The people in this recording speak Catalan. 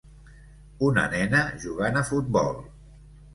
Una nena jugant a futbol.